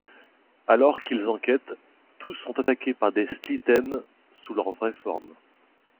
Alors qu'ils enquêtent, tous sont attaqués par des Slitheens sous leur vrai forme.